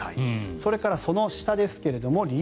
それから、その下ですが理由